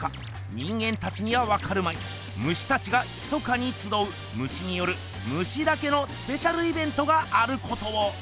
人間たちにはわかるまいムシたちがひそかにつどうムシによるムシだけのスペシャルイベントがあることを！